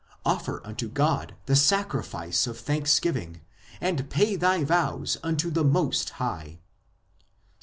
Offer unto God the sacrifice of thanksgiving, And pay thy vows unto the Most High (Ps.